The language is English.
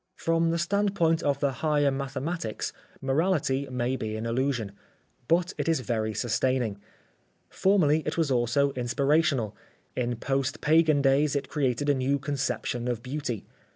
From the standpoint of the higher mathematics, morality may be an illusion. But it is very sustaining. Formerly it was also Oscar Wilde inspirational. In post pagan days it created a new conception of beauty.